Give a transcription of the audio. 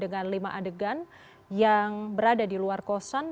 dengan lima adegan yang berada di luar kosan